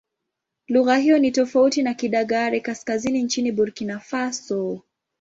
Lugha hiyo ni tofauti na Kidagaare-Kaskazini nchini Burkina Faso.